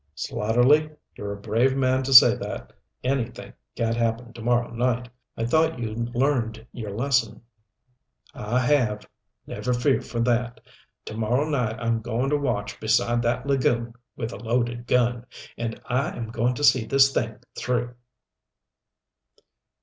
"Slatterly, you're a brave man to say that anything can't happen to morrow night. I thought you'd learned your lesson " "I have. Never fear for that. To morrow night I'm going to watch beside that lagoon with a loaded gun and I am going to see this thing through."